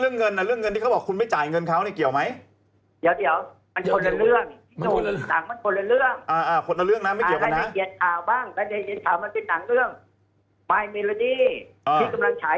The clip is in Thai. คุณอย่าพูดคำว่าฉันคุณต้องพูดผมว่าคุณเป็นผู้ชาย